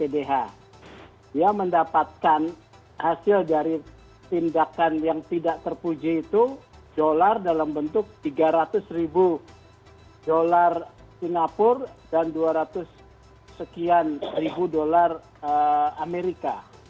dia mendapatkan hasil dari tindakan yang tidak terpuji itu dolar dalam bentuk tiga ratus ribu dolar singapura dan dua ratus sekian ribu dolar amerika